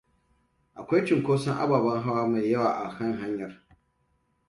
Akwai cunkoson ababen hawa mai yawa a kan hanyar.